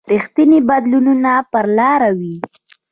رښتیني بدلونونه پر لاره و.